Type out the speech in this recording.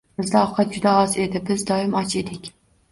Bizda ovqat juda oz edi, biz doimo och edik.